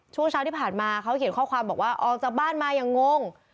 ช่วงเช้าที่ผ่านมาเขาเขียนข้อความบอกว่าออกจากบ้านมาอย่างงง